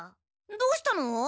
どうしたの？